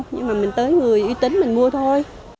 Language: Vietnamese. nhưng mà mình tới người uy tín mình mua thôi